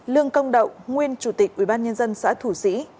lương công đậu nguyên chủ tịch ubnd xã thủ sĩ